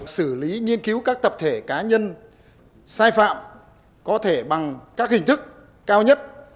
xử lý nghiên cứu các tập thể cá nhân sai phạm có thể bằng các hình thức cao nhất